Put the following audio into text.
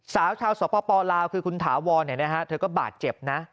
สาวชาวสปลาวคือคุณถาวรเธอก็บาดเจ็บนะ